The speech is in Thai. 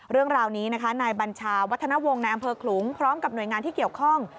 เรื่องราวนี้นะคะนายบัญชาวัฒนวงศ์ในอำเภอขลุงพร้อมกับหน่วยงานที่เกี่ยวข้อง